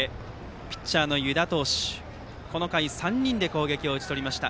ピッチャーの湯田投手はこの回３人で攻撃を打ち取りました。